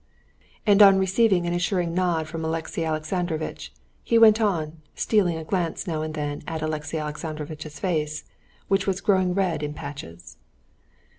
And on receiving an assuring nod from Alexey Alexandrovitch, he went on, stealing a glance now and then at Alexey Alexandrovitch's face, which was growing red in patches.